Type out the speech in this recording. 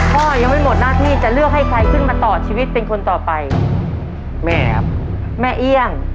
พ่อยังไม่หมดหน้าที่จะเลือกให้ใครขึ้นมาต่อชีวิตเป็นคนต่อไปแม่ครับแม่เอี่ยง